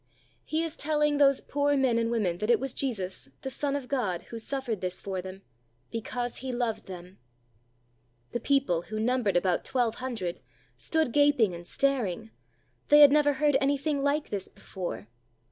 _" He is telling those poor men and women that it was Jesus, the Son of God, who suffered this for them, because He loved them. The people, who numbered about twelve hundred, stood gaping and staring, they had never heard anything like this before.